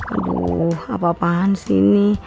aduh apa apaan sih ini